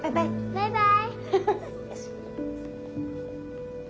バイバイ。